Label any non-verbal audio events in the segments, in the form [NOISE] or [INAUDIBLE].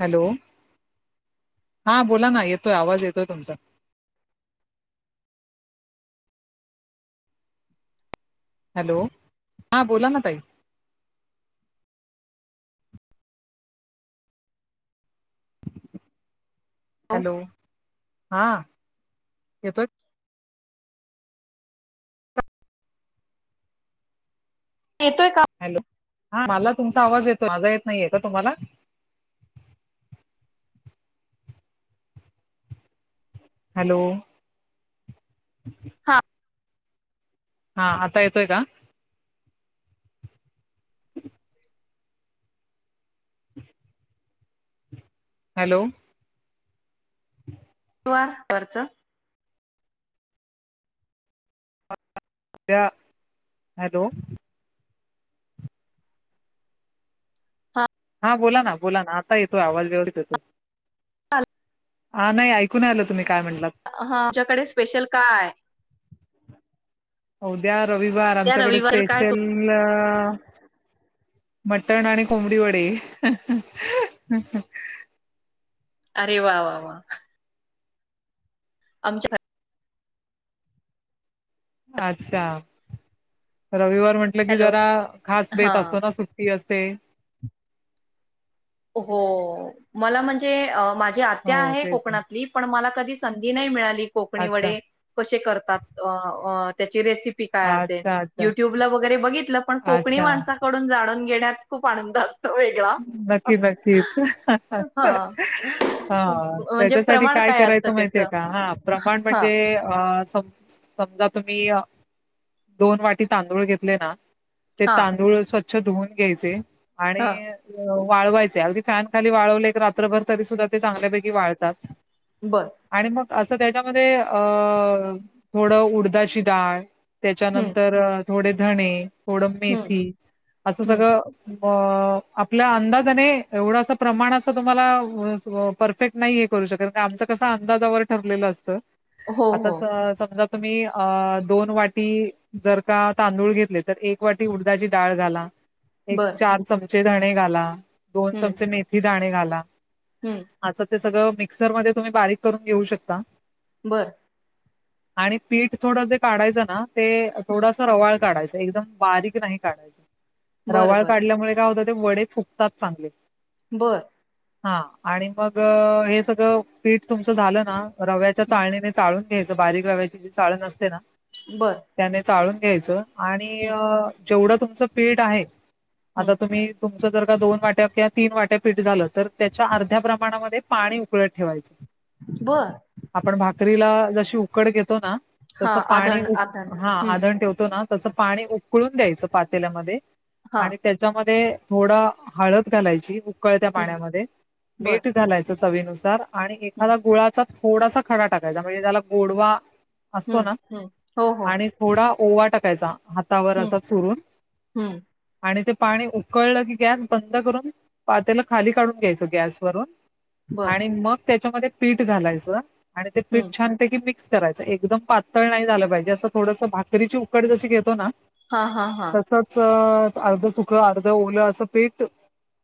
Hello हा बोला ना. येतोय आवाज येतोय तुमचा. हॅलो हा बोला ना ताई. हॅलो हा येतोय. येतोय का? हॅलो हा मला तुमचा आवाज येतोय. माझा येत नाहीये का तुम्हाला. हॅलो हा हा आता येतोय का? हॅलो [UNINTELLIGIBLE] हॅलो हा बोला ना बोला ना आता येतोय. आवाज व्यवस्थित येतोय. [UNINTELLIGIBLE] हा नाही ऐकू नाही आल तुम्ही काय म्हणलात. हा तुझ्याकडे स्पेशल काय आहे. हो द्या रविवार त्या आमच्याकडे रविवार काय तो स्पेशल ह मटण आणि कोंबडी वडे. अरे वा वा वा आमच्या अच्छा रविवार म्हटल की हॅलो जरा खास हा बेत असो सुटी अस पे हो मला म्हणजे माझ आत्या हो आहे तेच ना कोकणातली पण मला कधी संधी नाही मिळाली कोकणी अच्छा वडे कशी करतात. अ अ ती रेसिपी काय असेल. अच्छा अच्छा युट्युबला वगैरे बघितलं, पण कोकणी अच्छा. माणसाकडून जाणून घेण्यात खूप आनंद असतो. तो वेगळा नक्कीच नक्कीच हा हा म्हणजे त्याच्यासाठी प्रमाण काय असतं करायचं त्याच माहितीय का? हा प्रमाण हा म्हणजे सम समजा तुम्ही दोन वाटी तांदूळ घेतले ना ते हा तांदूळ स्वछ स्वच्छ धुऊन घ्यायचे. हा आणि वाळवायचे. अगदी फॅन खाली वाळवले एक रात्रभर तरी सुद्धा ते चांगल्यापैकी वाळतात. बर आणि मग असं त्याच्यामध्ये अ थोडं उडदाची डाळ हं, त्याच्यानंतर. थोडे धणे थोड हं, मेथी असं हं. सगळ. ब [UNINTELLIGIBLE] आपल्या अंदाजाने एवढं अस प्रमाण असं [UNINTELLIGIBLE] तुम्हाला परफेक्ट नाहीय करू शकत आमचं कस अंदाजावर ठरलेलं असत. हो, आता हो. स समजा तुम्ही अ दोन वाटी जर का तांदूळ घेतले तर एक वाटी उडची डाळ झाला. एक बरं. चार चम चे धणे घाला. दोन हं, चमचे मेथी [UNINTELLIGIBLE] जाणे घाला. हं. हाच ते सगळं. मिक्सर मध्ये तुम्ही बारीक करून घेऊ शकता. बरं. आणि पीठ थोडं जे काढायचं ना, ते हं. थोडासा रवाळ काढायच. एकदम बारीक नाही काढायची. बरं, रवाळ बरं. काढल्यामुळे काय होत ते वडे फुगतात चांगले. बरं. हा आणि मग हे सगळं पीठ तुमचं झालं ना, रव्याच्या हं. चाळणीने चाळून घ्यायचं बारीक रव्याची जी चाळण अससते ना, बरं. त्याने चाळून. यचं आणि हं, अ जेवढं तुमचं पेठ आहे. हं. आता तुम्ही. च जर का दोन वाट्या किंवा तीन वाट्या पीठ झालं तर त्याच्या अर्ध्या प्रमाणामध्ये पाणी उकळत ठेवायचं. बरं. आपण भाकरीला जशी उकड घेतो ना, तस हां, पाणी आधार उक आधार. हा हं. आदण ठेवतो ना, तसं पाणी उकळून द्यायचं पातेल्यामध्ये. हां. आणि त्याच्यामध्ये. थोडा हळद घालायची उकळत्या हं. पाण्यामध्ये बरं. मीठ झालायचं चवीनुसार आणि हं, एखादा गुळाचा थोडासा खडा टाकायचा म्हणजे त्याला गोडवा असतो हं, ना हं. हो, हो. आणि थोडा ओवा टाकायचा हातावर हं, असा चरून हं. आणि ते पाणी कळलं की गॅस बंद करून पातेला खाली काढून घ्यायच गॅस वरून बरं. आणि मग त्याच्यामध्ये पीठ घालायचं आणि ते पीठ हं. छानपैकी मिक्स करायच एकदम पातळ नाही झालं पाहिजे असं थोडस भाकरीची उकड जशी घेतो ना हां, हां, हां. तसच ता सुख आ ओलं असं पेट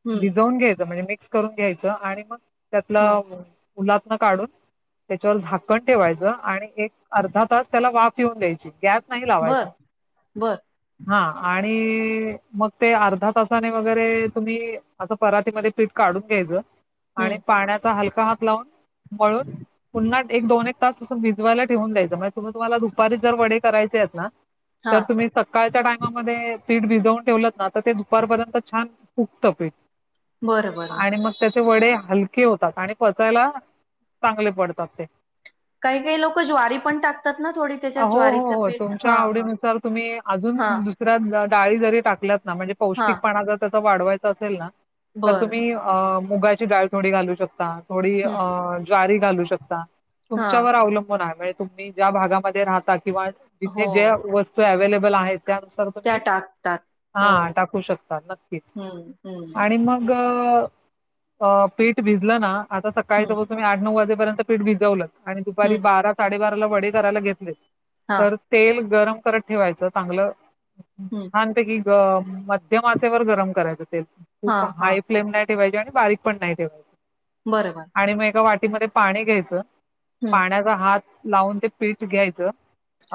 हं. भिजवून घ्यायचं म्हणजे मी करून घ्यायचं आणि मग त्यातला हां. उ काढून त्याच्यावर झाकण ठेवायच आणि एक अर्धा तास त्याला वाफ ऊन दयची गॅस नाही लावाच बरं, बरं. हा आणि मग ते अर्धा ससाने वगैरे तुम्ही असं पररााती म पीठ काढून घ्यायचं आणि हं. पाण्याचा हलका हात लावून मळून पुन्हा एक दोन एक तासून भिजवायला ठेवून द्यायचं म्हजे तुम्ही तुम्हाला दुपारीत जर वडे करायचे आहेत ना तर हां. तुम्ही सकाळच्या टायमामध्ये सीठ भिजवून ठेवत नाता ते उपारपर्यंत छान उक्त पीठ बरं, बरं, बरं. आणि मग त्याचे वडे हलक होतात आणि पचायला चांगले पडतात ते काही काही लोक ज्वारी पण टाक हो हो हो तुमच्या हां. आवडीनुसार तुम्ही अजून हां, दुसऱ्यात जा डाळी जरी टाकल्या म्हणजे हां. पौष्टिकपणा ज वाढवायचं असेल ना तर बरं. तुम्ही अ मुगाची डाळथोडी घालू शकतात थोडी अ हं. जारी घालू शकता हां. तुमच्यावर अवलंबून आहे माहि तुम्ही ज्या भागामध्ये रहातात किंवा हो, तिथे ज्या वस्तू व अवेलेबल आहेत त्यानुसार त्या तुम्ही टाकतात. हा हो. टाकू शकता नक्कीच हं, हं, आणि मग अ. अ. पीठ भिजलं ना आता सकाळी हं, दररोज तुम्ही आठ नऊ वाजे परंतु पिठ भिजलत आणि दुपारी हं, बारा साडेबारा वडी करायला घेत बर हां, तर तेल गरम करत ठेवायचं चांगलं हं, छानपैकी मध्यम आचे वर गरम करायचं तेल खूप हां, हां. हाय फ्लेम नाय ठेवायचं आणि बारीक पण नाही ठेवायचं बरोबर. आणि मग एका वा टी मध्ये पाणी घ्यायचं हं, पाण्याचा हात लावून ते पीठ घ्यायचं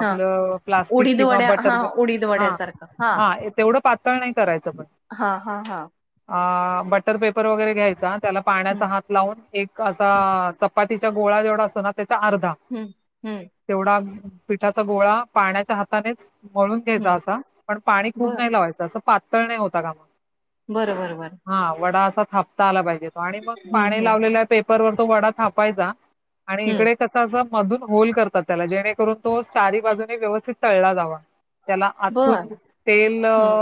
हां. प्लास्टिक उडीद किंवा वड्या बटर हां, ग. उडीद हा वड्यासारखं. हां, हा तेवढं पातळ नाही करायचं पण हां, हां, हां. आ.. बटर पेपर वगैरे घ्यायचा त्याला पाण्याचा हं, हात लावून एक असा हं, च पातीचा गोळा जेवढा असतो ना त्याचा अर्धा हं, हं, एवढा पिठाचा गोळा पाण्याच्या हातानेच मळून घ्यायचा हं. असा पण पाणी खूप बरं. नाही लावायचं असं पातळ तर नाही होता कामा बरं, बरं, बरं. हा वडा असा थापता आला पाहिजे आणि मग हं, पाणी हं, लावलेलं पे पर वर तो वडा थापायचा आणि हं. इकडे कसं असं मधून होल करतात त्याला जेणेकरून तो सारी बाजूने व्यवस्थित तळला जावा त्याला आतून बरं. तेल.. [INAUDIBLE] हं,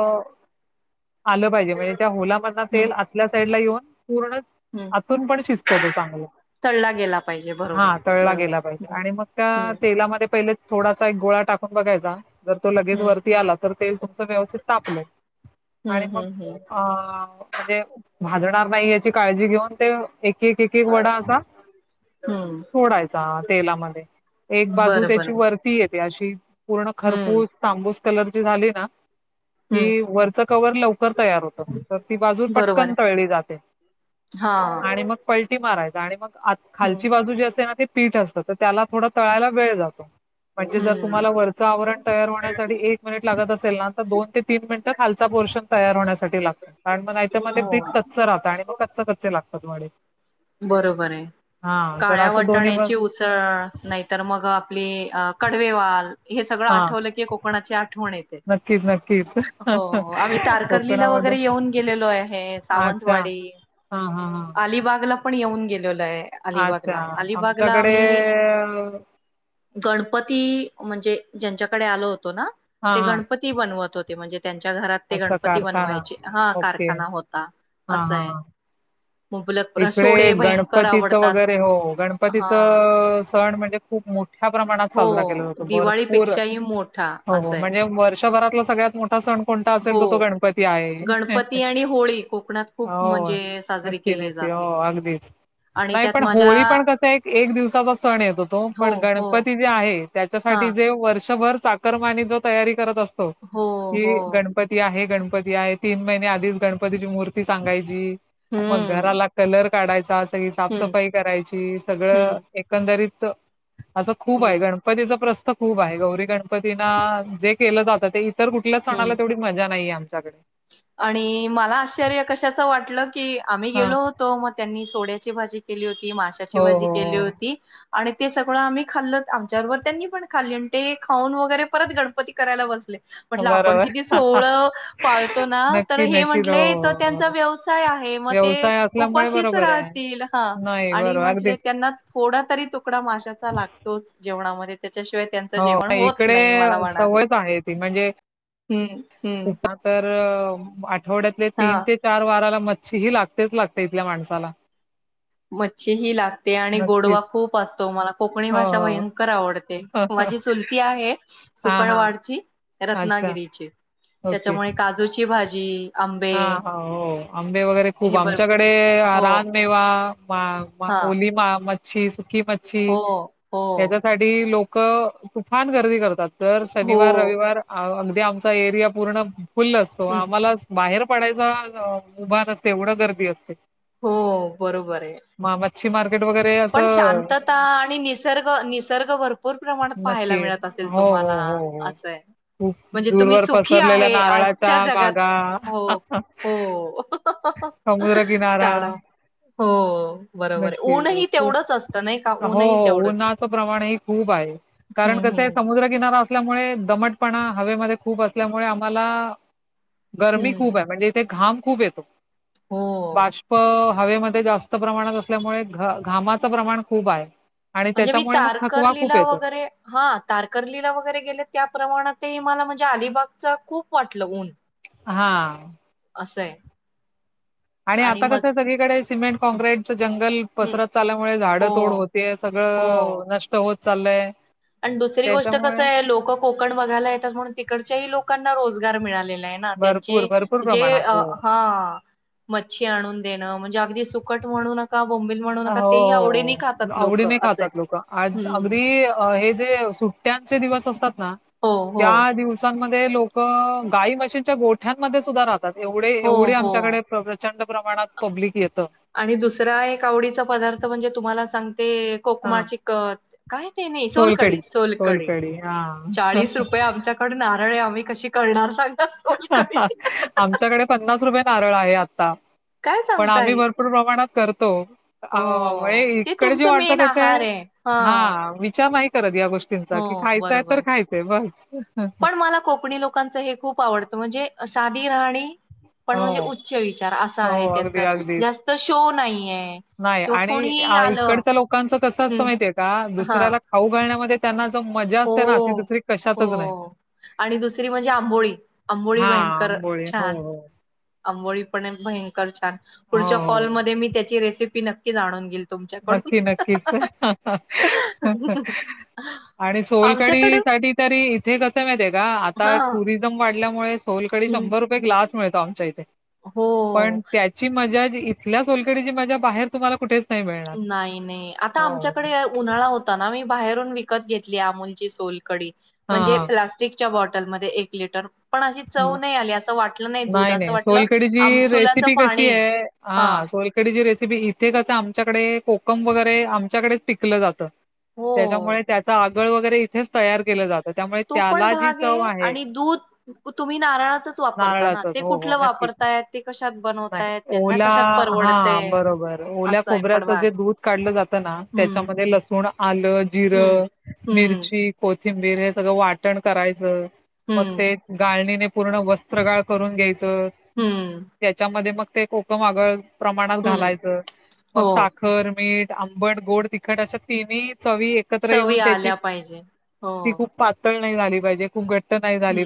आलं पाहिजे म्हणजे त्या होलामधना हं, तेल आतल्या साईडला येऊन पूर्ण हं. आतून पण शिजतो तो चांगला तळला गेला पाहिजे. हा बरोबर, तळला बरोबर. गेला पाहिजे हं, आणि मग हं, त्या मग ते पहिले थोडासा एक गोळा टाकून बघायचा जर तो लगेच हं, वरती आला तर तेल तुमच व्यवस्थित तापले आणि हं, मग हं, हं. अ म्हणजे भाजणार नाही याची काळजी घेऊन ते एक -एक- एक- एक वडा असा हं. सोडायचा तेलामध्ये एक बाजू बरं, त्याची बरं. वरती य ती अशी पूर्ण हं, खरपूस तांबूस कलरची झाली ना हं. कि वरच कवर लवकर तयार होत तर ती बाजू बरोबर पटकन आहे. तळली जाते आणि हां. मग पलटी मारायची गाडी बघ आत हं, खालची बाजू जी असते ना ती पीठ असत तर त्याला थोड तळायला वेळ जातो म्हणजे जर तुम्हाला हं. वरच आवरण तयार हो कधी एक मिनिट लागत असेल ना दोन ते तीन मिनिट खालचा पोर्शन तयार होण्यासाठी लागतो कारण मग नाही तर म ते पीठ हो. कच्च राहत आणि म कच्च कच्चे लागतात वडे बरोबर आहे हा तर काळ्या असं दोन्ही बघ वाटाण्याची उसळ नाहीतर मग अ आपली कडवेवाल हे सगळं हा आठवलं की कोकणाची आठवण येते नक्कीच नक्कीच हो आम्ही तारकर्लीला कोकणामध्ये वगैरे येऊन गेलेलो आहे अच्छा सावंतवाडी, हा हा अलिबागला पण येऊन गेलेलो हा अच्छा अलिबागला- अलिबागला आमच्याकडे आम्ही अ, गणपत ती म्हणजे ज्यांच्याकडे आलो होत तो ना हा ते हा गणपती बनवत होते म्हणजे त्यांच्या घरात ते अच्छा गणपती कारखाना बनवायचे हा ओके कारखाना होता हा असंय मुबलक प्रश्न गणपतीच वगैरे हो गणपतीच हा. सण म्हणजे खूप मोठ्या प्रमाणात हो साजरा केला जातो भरपूर दिवाळीपेक्षाही मोठा हो हो असंय. म्हणजे वर्ष वर्ष भरातला सगळयात मोठा आता सण कोणता असेल हो. तर तो गणपती आहे गणपती आणि होळी कोकणात खूप हो म्हणजे साजरी नक्की केली जाते. अगदीच आणि नाही त्यात पण माझ्या होळी पण कस एक दिवसाचा सण येत हो तो पण गणपती जे आहे त्याच्यासाठी हां. जे व सवर चाकरमाने जो तयारी करत असतो हो, ही हो. गणपती आहे गणप गणपती आहे तीन महिने आधीच गणपतीची मूर्ती सांगायची मग हं. घराला कलर काढायचा अस हं, साफसफाई करायची सगळं हं, एकंदरीत तर असं खूप आहे हं, गणपतीचा प्रशन खूप आहे गौरी गणपतीना जे केलं जातं ते तर कुठल्याच हं. सणाला तेवढी मजा नाही आम त्याच्याकडे आणि मला आश्चर्य कशाचं वाटलं की आम्ही हा गेलो होतो मग त्यांनीच सोड्याची भाजी केली होती ती माशाची हो भाजी हो केली होती आणि ते सगळं आम्ही खाल्ल आमच्याबरोबर त्यांनी पण खाल्ल आणि ते खाऊन व त परत गणपती करायला बसले हो म्हटल आपण बरोबर किती सोळ पाळतो ना तर नक्की हे नक्की हो म्हटले तर त्यांचा हो. व्यवसाय आहे मग ते व्यवसाय असल्यामुळे उपाशीच बरोबर आहे राहतील हा नाही आणि बरोबर अगदी म्हटले त्यांना थोडा तरी तुकडा माशाचा लागतोच जेवणामध्ये त्याशिवाय त्यांच हो जेवण होत इकडे नाही मला म्हणाले सवयच आहे ती म्हणजे हम् हम् उपमा तर आठवड्यातले तीन ते चार वाराला छ ही लागतेच लागते इथल्या माणसाला मच्छी ही लागते आणि नक्कीच गोडवा खूप असतो मला कोकणी हो भाषा भयंकर आवडते हो माझी चूलती आहे हा हा सुकणवाडची अच्छा रत्नागिरीचे त्याच्यामुळे काजूची भाजी आंबे हा् हा् हो आंबे वगैरे खूप हे बर आमच्याकडे हो रानमेवा म म हा ओली म म [UNINTELLIGIBLE] ही मच्छी हो हो हेच्यासाठी लोक तूफान गर गर्दी करतात दर हो शनीवार रविवार आमचा एरिया पूर्ण फुल्ल असतो हं आम्हालाच बाहेर पडायचा उभा असते एवढं गर्दी असते ते हो बरोबर आहे [UNINTELLIGIBLE] पण असं शांतता आणि निसर्ग निसर्ग भरपूर भरपूर प्रमाणात पाहायला नक्की मिळत असेल हो हो तुम्हाला हो हो असंय खूप म्हणजे तुम्ही दूरवर सुखी पसरलेल्या आहे, नारळाच्या आजच्या जगात बागा हो हो हो समुद्रकिनारा हंहह हो बरोबर आहे नक्की ऊनही हो असतं नाही का? हो ऊनही तेवढंच. उन्हाच प्रमाण ह खूप आहे कारण हं, कस आहे हं. समुद्र किनारा अल्यामुळे दमटपणा हवेमध्ये खूप असल्यामुळे आम्हाला गरमी हं. खूप आहे म्हणजे इथे घाम खूप येतो हो. बाष्प हवेमध्ये जास्त प्रमाणात असतं असल्यामुळे घ घामाचं प्रमाण खूप आहे आणि म्हणजे मी त्याच्यामुळे मग थकवा खूप तारकरलीला येतो वगैरे हा तारकरलीला वगैरे गेले त्या प्रमाणात मला म्ह म्हणजे अलिबागचा खूप वाटलं ऊन हा असं आहे आणि आता कसं सगळीकडे सिमेंट कॉक्रीट जंगल हं. पसरत चाल्यामुळे झाडं हो, तोड होते, हो. सगळं नष्ट होत चाललंय आणि दुसरी गोष्ट कसं त्याच्यामुळे आहे, लोकं कोकण बघायला येतात म्हणून तिकडच्याही लोक लोकांना रोजगार मिळालेला आहे ना भरपूर, त्यांचे भरपूर प्रमाणात हो. ह मच्छी आणुन म्हणजे अगदी सुकट म्हणून हो हो आवडी लोकं नाही असं आहे. खातात लोक अगदी हम्म. हे जे सु ट्यांचे दिवस असतात ना हो, हो. त्या दिवसांमध्ये काही लोक गाई मशीनच्या गोठ्यांमध्ये सुधा राहतात एवढे हो, एवढे आमच्याकडे हो. प्रचंड प्रमाणात पब्लिक येतो आणि दुसर एक आवडीचा पदार्थ म्हणजे तुम्हाला सांग ते कोकमा हां, च कत काय ते नाही सोलकडी सोलकढी, सोलकडी सोलकढी हां. चाळीस रुपये आमच्याकड नारळ आम्ही कशी करणार सोलकढी. आमच्याकडे पन्नास रुप कारळ आहे काय पण आम्ही सांगताय? भरपूर प्रमाणात कर तो हो. म्ह ते इकडे जे तुमचं वाटत मेन कसं आहे आहार हां. हा विचार नाही क्या गोीं हो, क खायचाय बरोबर तर आहे. खायचं बस पण मला कोकणी लोकांचं हे खूप आवडतं म्हणजे साधी राहणी पण म्हणजे हो उच्च विचार असा हो आहे अगदी त्यांचा. अगदी जास्त शो नाहीये नाही किंवा आणि कुणीही आलं इकडच्या लोकांच कस असत हं. माहितीय आहे का हां. दुसऱ्याला खाऊ घालण्यामध्ये त्या मजा असते ना हो, दुसरी कशातच नाही हो. आणि दुसरी म्हणजे आंबोळी. आंबोळी हा ब हो अंोळी पण एक भयंकर हो, पुढच्या कॉल म हो. म त्याची रेस नक्की जाणून घे नक्की नक्कीच आणि सोलकडी आमच्याकडे साठी तरी इथे कसं माहित आहे का आता हां, टुरिझम वाढल्यामुळे सोलकडी हं. शभर रुपये ग्स मुळेळतो आमच्या इथ ते पण हो. त्याची मजा इथल्या सोलकडीची माझ्या बाहेर तुम्हाला कुठे नाही नाही आता आमच्याकडे उन्हाळा होता ना मी बाहेरून विकत घेतली अमूलची सोलकडी हां, म्हणजे हां. प्लास्टिक च्या बॉटलमध्येध्ये एक लिटर पण अशी चव नाही आली. असं वाटलं दूध नाही असं नाही वाटलं सोलकडीची आमसुलाचं रेसिपी कशी पाणी. आहे हां, हा सोलकडीची रेसिपी इथे कस आमच्याकडे कोकम वगैरे आमच्याकडेच पिकलं जातं हो. त्याच्यामुळे त्याचा ग वगैरे इथेच तयार केलं जात तर त्यामुळे तो पण त्याला जी भाग चव आहे आणि दूध तुम्ही नारळाचंच वापरता ना नारळाच ते हो हो कुठलं नक्कीच वापरतायत ते कशात बनवतायत त्यांना ओला कशात हा परवडतंय बरोबर ओल्या असं आहे पण खोबऱ्याच जे भाग दूध काढलं जात ना हम्म त्याच्यामध्ये लसूण आलं हम्म जिरं हम्म मिरची कोथींबीर कोथिंबीर हे सगळं वाटण करायचं मग हम्म ते आळणीने पूर्ण वस्त्रगाळ करून घ्यायच हम्म त्याच्यामध्ये मग ते कोकम आगळ प्रमाणात हम्म घालायचं मग हो साखर मीठ आंबड गोड तिखट अशा तिन्ही चवी एकत्र सवयी येऊन त्याची आल्या पाहिजे हो ती खूप पातळ नाही झाली पाहिजे खूप घट्ट नाही हम्म झाली